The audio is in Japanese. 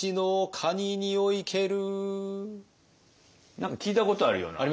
何か聞いたことあるような。